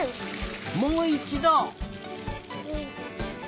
もういちど！